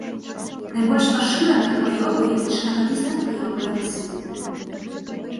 Найбольш пашыраны хваёвыя і шыракаліста-хваёвыя лясы.